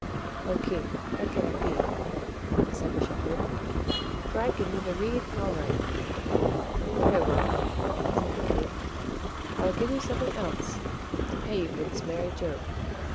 "O king! that cannot be," said the shepherd; "for I can neither read nor write." "Very well, then," said the king, "I will give you something else to pay you for this merry joke.